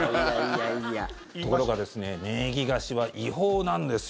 ところがですね名義貸しは違法なんですよ。